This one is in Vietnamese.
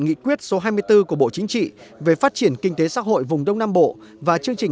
nghị quyết số hai mươi bốn của bộ chính trị về phát triển kinh tế xã hội vùng đông nam bộ và chương trình